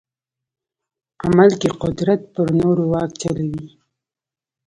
عمل کې قدرت پر نورو واک چلوي.